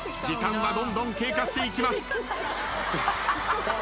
時間はどんどん経過していきます。